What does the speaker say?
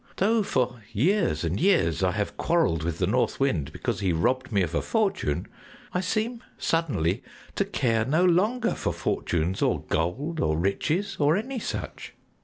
Though for years and years I have quarreled with the North Wind because he robbed me of a fortune, I seem suddenly to care no longer for fortunes or gold or riches, or any such.